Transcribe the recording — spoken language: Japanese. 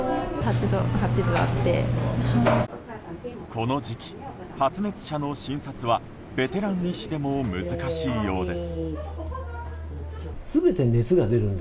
この時期、発熱者の診察はベテラン医師でも難しいようです。